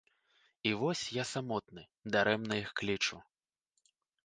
І вось я самотны, дарэмна іх клічу.